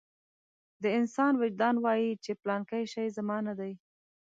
د انسان وجدان وايي چې پلانکی شی زما نه دی.